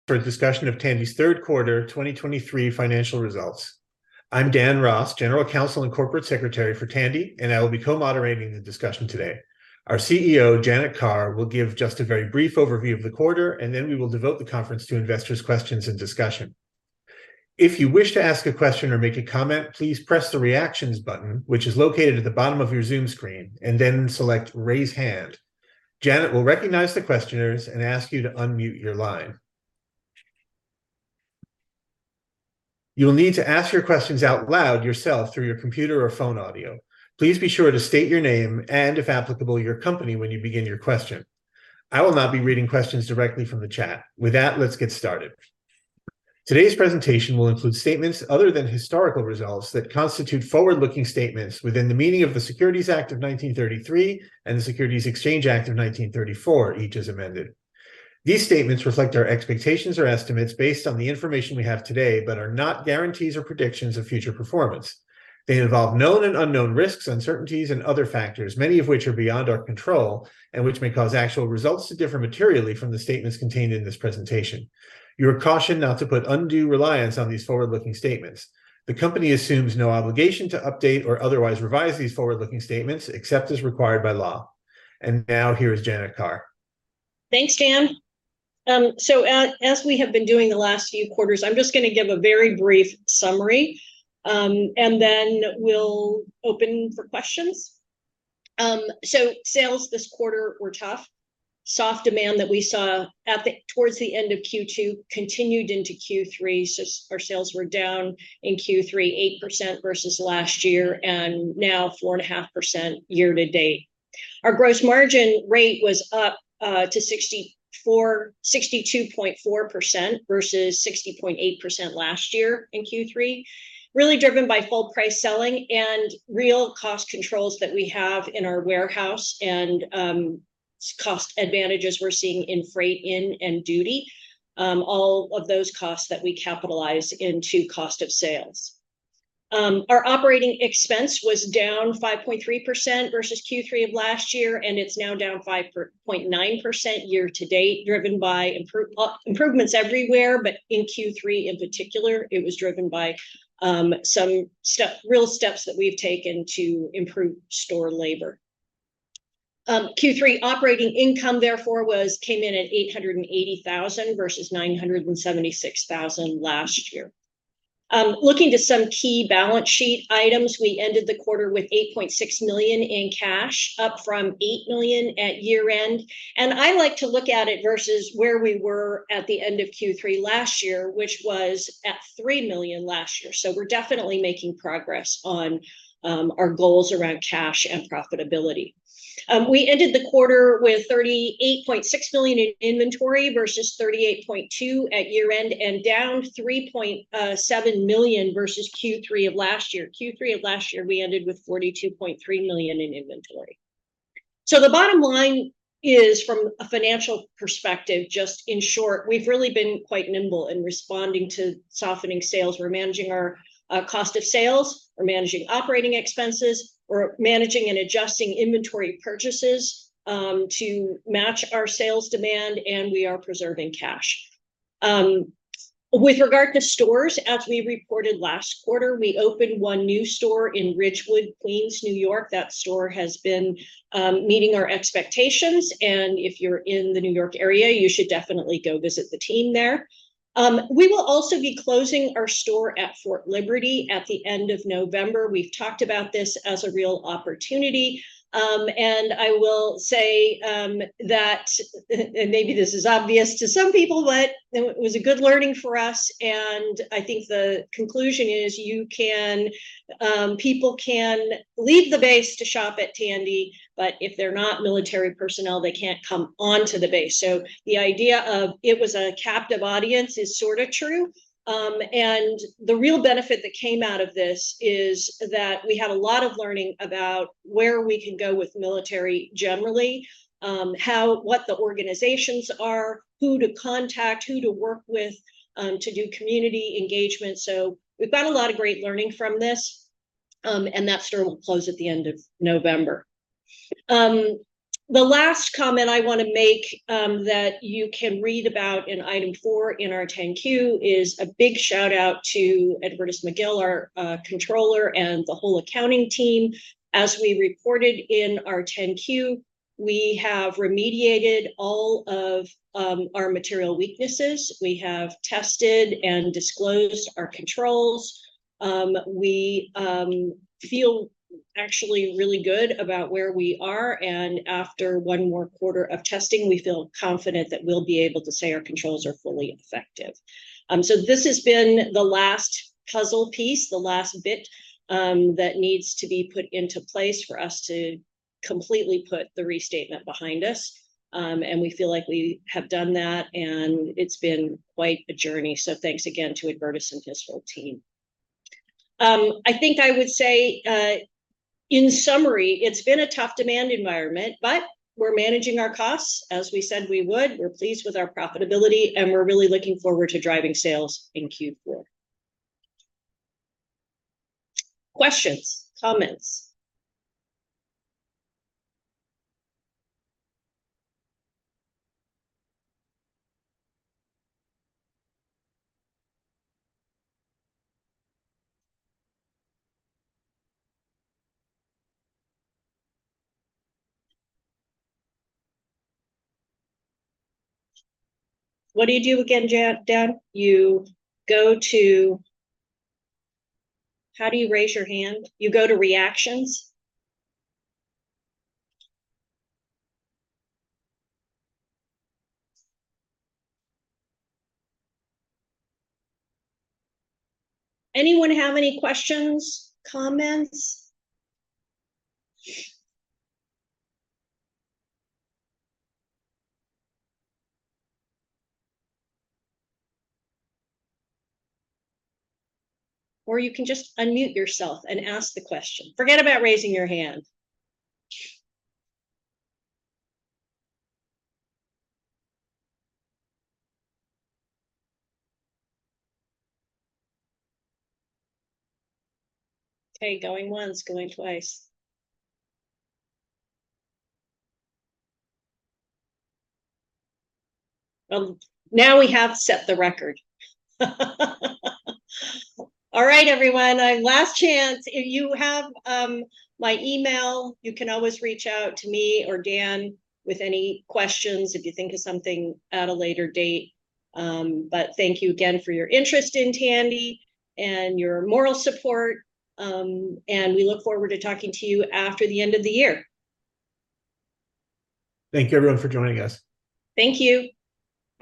For a discussion of Tandy's Third Quarter 2023 Financial Results. I'm Dan Ross, General Counsel and Corporate Secretary for Tandy, and I will be co-moderating the discussion today. Our CEO, Janet Carr, will give just a very brief overview of the quarter, and then we will devote the conference to investors' questions and discussion. If you wish to ask a question or make a comment, please press the Reactions button, which is located at the bottom of your Zoom screen, and then select Raise Hand. Janet will recognize the questioners and ask you to unmute your line. You'll need to ask your questions out loud yourself through your computer or phone audio. Please be sure to state your name, and if applicable, your company when you begin your question. I will not be reading questions directly from the chat. With that, let's get started. Today's presentation will include statements other than historical results that constitute forward-looking statements within the meaning of the Securities Act of 1933 and the Securities Exchange Act of 1934, each as amended. These statements reflect our expectations or estimates based on the information we have today, but are not guarantees or predictions of future performance. They involve known and unknown risks, uncertainties, and other factors, many of which are beyond our control, and which may cause actual results to differ materially from the statements contained in this presentation. You are cautioned not to put undue reliance on these forward-looking statements. The company assumes no obligation to update or otherwise revise these forward-looking statements, except as required by law. Now, here is Janet Carr. Thanks, Dan. So as we have been doing the last few quarters, I'm just gonna give a very brief summary, and then we'll open for questions. So sales this quarter were tough. Soft demand that we saw towards the end of Q2 continued into Q3, so our sales were down in Q3, 8% versus last year, and now 4.5% year-to-date. Our gross margin rate was up to 62.4%, versus 60.8% last year in Q3, really driven by full price selling and real cost controls that we have in our warehouse, and cost advantages we're seeing in freight in and duty. All of those costs that we capitalize into cost of sales. Our operating expense was down 5.3% versus Q3 of last year, and it's now down 5.9% year-to-date, driven by improvements everywhere, but in Q3 in particular, it was driven by some real steps that we've taken to improve store labor. Q3 operating income therefore was... came in at $800,000, versus $976,000 last year. Looking to some key balance sheet items, we ended the quarter with $8.6 million in cash, up from $8 million at year-end. And I like to look at it versus where we were at the end of Q3 last year, which was at $3 million last year. So we're definitely making progress on our goals around cash and profitability. We ended the quarter with $38.6 million in inventory, versus $38.2 million at year-end, and down $3.7 million versus Q3 of last year. Q3 of last year, we ended with $42.3 million in inventory. So the bottom line is, from a financial perspective, just in short, we've really been quite nimble in responding to softening sales. We're managing our cost of sales, we're managing operating expenses, we're managing and adjusting inventory purchases to match our sales demand, and we are preserving cash. With regard to stores, as we reported last quarter, we opened one new store in Ridgewood, Queens, New York. That store has been meeting our expectations, and if you're in the New York area, you should definitely go visit the team there. We will also be closing our store at Fort Liberty at the end of November. We've talked about this as a real opportunity. I will say that and maybe this is obvious to some people, but it was a good learning for us, and I think the conclusion is people can leave the base to shop at Tandy, but if they're not military personnel, they can't come onto the base. So the idea of it was a captive audience is sort of true. The real benefit that came out of this is that we had a lot of learning about where we can go with military generally, what the organizations are, who to contact, who to work with, to do community engagement. So we've got a lot of great learning from this, and that store will close at the end of November. The last comment I wanna make, that you can read about in Item 4 in our 10-Q, is a big shout-out to Adverthus McGill, our controller, and the whole accounting team. As we reported in our 10-Q, we have remediated all of our material weaknesses. We have tested and disclosed our controls. We feel actually really good about where we are, and after one more quarter of testing, we feel confident that we'll be able to say our controls are fully effective. So this has been the last puzzle piece, the last bit, that needs to be put into place for us to completely put the restatement behind us. And we feel like we have done that, and it's been quite a journey, so thanks again to Adverthus and his whole team. I think I would say, in summary, it's been a tough demand environment, but we're managing our costs, as we said we would. We're pleased with our profitability, and we're really looking forward to driving sales in Q4. Questions, comments? What do you do again, Janet, Dan? You go to... How do you raise your hand? You go to Reactions. Anyone have any questions, comments? Or you can just unmute yourself and ask the question. Forget about raising your hand. Okay, going once, going twice. Now we have set the record. All right, everyone, last chance. If you have my email, you can always reach out to me or Dan with any questions, if you think of something at a later date. Thank you again for your interest in Tandy, and your moral support, and we look forward to talking to you after the end of the year. Thank you, everyone, for joining us. Thank you.